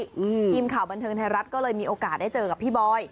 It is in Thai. ทีมข่าวบันเทิงไทยรัฐก็เลยมีโอกาสได้เจอกับพี่บอย